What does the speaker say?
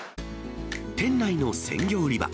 店内の鮮魚売り場。